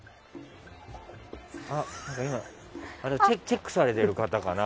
あ、何か今チェックされてる方かな。